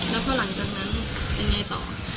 แล้วพอหลังจากนั้นเป็นไงต่อ